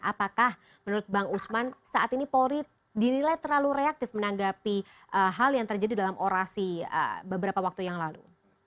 apakah menurut bang usman saat ini polri dinilai terlalu reaktif menanggapi hal yang terjadi dalam orasi beberapa waktu yang lalu